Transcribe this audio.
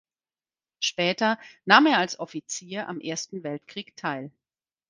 Später nahm er als Offizier am Ersten Weltkrieg teil.